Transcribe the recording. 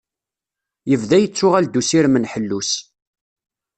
Yebda yettuɣal-d usirem n ḥellu-s.